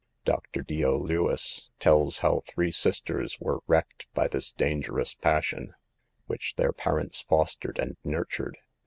Dr. Dio Lewis tells how three sisters were wrecked by this dangerous passion, which their parents fostered and nurtured.